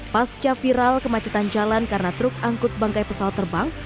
pasca viral kemacetan jalan karena truk angkut bangkai pesawat terbang